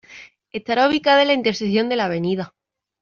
Estará ubicada en la intersección de la Av.